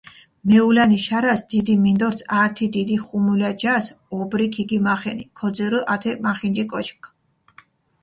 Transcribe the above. მეულანი შარას, დიდი მინდორც ართი დიდი ხუმულა ჯას ობრი ქიგიმახენი, ქოძირჷ ათე მახინჯი კოჩქჷ.